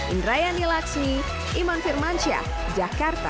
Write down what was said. indrayani laksmi iman firmansyah jakarta